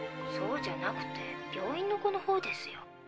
そうじゃなくて病院の子のほうですよ。